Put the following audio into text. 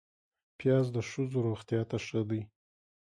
پیاز د ښځو روغتیا ته ښه دی